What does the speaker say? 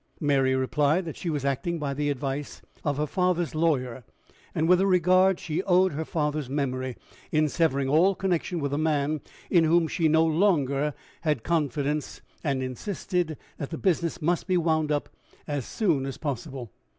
Mary replied that she was acting by the advice of her father's lawyer, and with the regard she owed her father's memory, in severing all connection with a man in whom she no longer had confidence; and insisted that the business must be wound up as soon as possible.